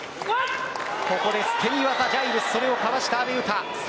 ここで捨身技、ジャイルスそれをかわした阿部詩です。